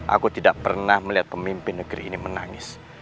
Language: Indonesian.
aku tidak pernah melihat pemimpin negeri ini menangis